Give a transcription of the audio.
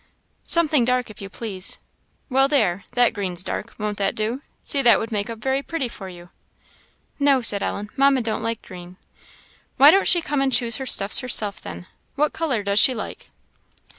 "Something dark, if you please." "Well, there, that green's dark; won't that do? See, that would make up very pretty for you." "No," said Ellen, "Mamma don't like green." "Why don't she come and choose her stuffs herself, then? What colour does she like?"